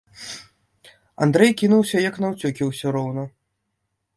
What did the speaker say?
Андрэй кінуўся, як наўцёкі ўсё роўна.